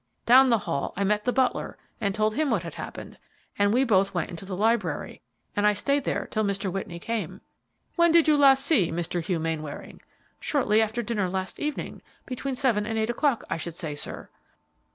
Down the hall I met the butler and told him what had happened, and we both went into the library, and I stayed there till Mr. Whitney came." "When did you last see Mr. Hugh Mainwaring?" "Shortly after dinner last evening, between seven and eight o'clock, I should say, sir."